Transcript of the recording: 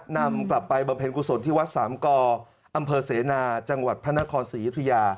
นำกลับไปบำเพ็ญกุศลที่วัดสามกอำเภอเสนาจังหวัดพระนครศรียุธยา